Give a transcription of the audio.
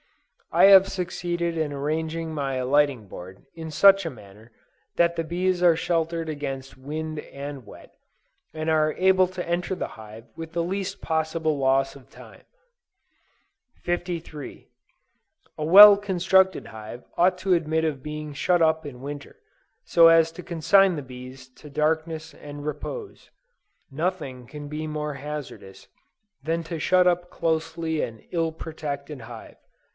I have succeeded in arranging my alighting board in such a manner that the bees are sheltered against wind and wet, and are able to enter the hive with the least possible loss of time. 53. A well constructed hive ought to admit of being shut up in winter, so as to consign the bees to darkness and repose. Nothing can be more hazardous than to shut up closely an ill protected hive.